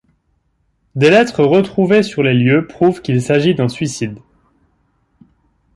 Des lettres retrouvées sur les lieux prouvent qu'il s'agit d'un suicide.